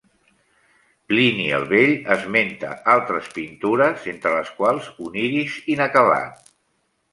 Plini el Vell esmenta altres pintures entre les quals un Iris inacabat.